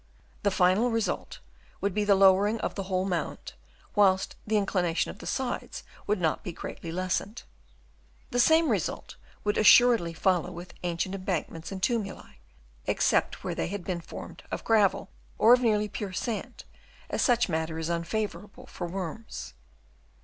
The final result would be the lowering of the whole mound, whilst the inclination of the sides would not be greatly lessened. The same result would assuredly follow with ancient embankments and tumuli ; except where they had been formed of gravel or of nearly pure sand, as such matter is unfavourable for worms.